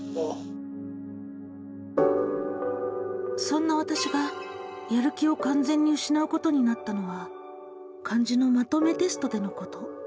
「そんな私がやる気をかん全にうしなうことになったのは漢字のまとめテストでのこと。